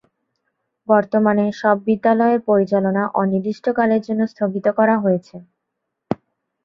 বর্তমানে সব বিদ্যালয়ের পরিচালনা অনির্দিষ্টকালের জন্য স্থগিত করা হয়েছে।